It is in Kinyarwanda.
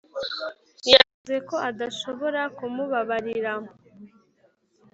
yavuze ko adashobora kumubabarira